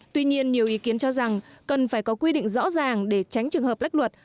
tuy nhiên nhiều ý kiến cho rằng cần phải có quy định rõ ràng để tránh trường hợp lách luật